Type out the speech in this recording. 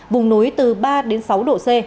vùng núi từ ba đến sáu độ c